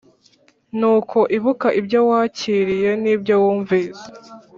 Nuko ibuka ibyo wākiriye n’ibyo wumvise,